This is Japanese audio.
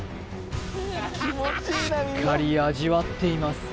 しっかり味わっています